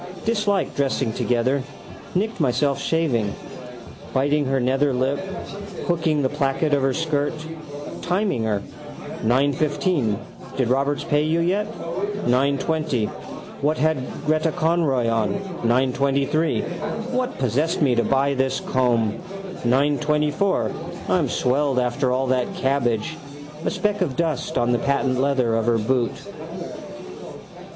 Dislike dressing together. Nicked myself shaving. Biting her nether lip, hooking the placket of her skirt. Timing her. 9.15. Did Roberts pay you yet? 9.20. What had Gretta Conroy on? 9.23. What possessed me to buy this comb? 9.24. I'm swelled after that cabbage. A speck of dust on the patent leather of her boot.